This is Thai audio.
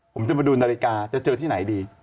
ผมจะมาดูนาฬิกาจะเจอที่ไหนดี